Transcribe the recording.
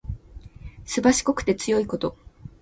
すばしこくて強いこと。